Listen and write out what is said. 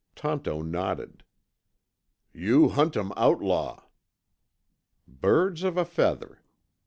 Tonto nodded. "You hunt um outlaw!" Birds of a feather!